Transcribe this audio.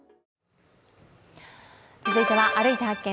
続いては「歩いて発見！